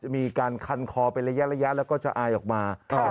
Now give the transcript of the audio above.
มีการคันคอเป็นระยะแล้วก็จะอายออกมา